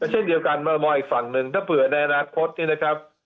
เช่นเดียวกันมามองอีกฝั่งหนึ่งถ้าเผื่อในอนาคตนี่นะครับ